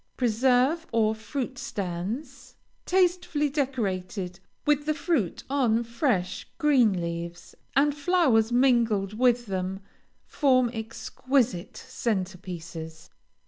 Preserve or fruit stands, tastefully decorated, with the fruit on fresh, green leaves, and flowers mingled with them, form exquisite centre pieces.